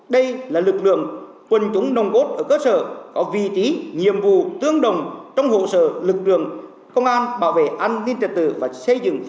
đây là lực lượng quân chúng đồng cốt ở cơ sở có vị trí nhiệm vụ tương đồng trong hộ sở lực lượng công an bảo vệ an ninh trật tự và xây dựng